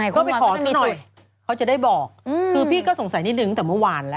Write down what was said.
ก็ไปขอซะหน่อยเขาจะได้บอกคือพี่ก็สงสัยนิดนึงตั้งแต่เมื่อวานแล้ว